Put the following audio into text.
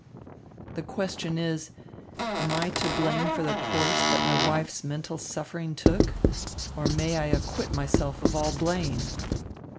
The question is, am I to blame for the course that my wife's mental suffering took, or may I acquit myself of all blame?